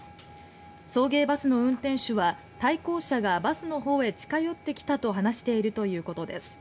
送迎バスの運転手は対向車がバスのほうへ近寄ってきたと話しているということです。